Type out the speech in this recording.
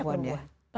lebih banyak berdua